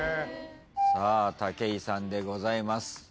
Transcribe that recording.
武井さんでございます。